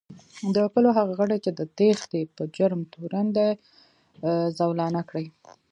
د کلو هغه غړي چې د تېښتې په جرم تورن دي، زولانه کړي